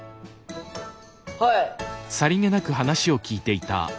はい！